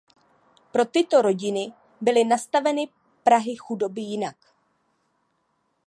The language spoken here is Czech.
Pro tyto rodiny byly nastaveny prahy chudoby jinak.